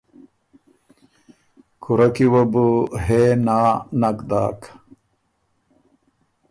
کُورۀ کی وه بُو هې نا نک داک۔